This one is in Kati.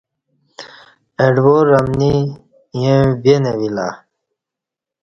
اڈوار امنی ییں وی نہ وی لہ۔